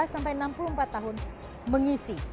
lima sampai enam puluh empat tahun mengisi